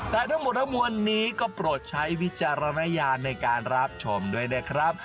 แต่ทั้งหมดทั้งมวลนี้ก็โปรดใช้วิจารณญาณในการรับชมด้วยนะครับ